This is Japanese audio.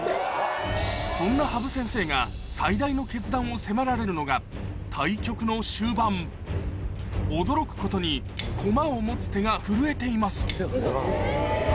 そんな羽生先生が最大の決断を迫られるのが対局の終盤驚くことに駒を持つ手が震えています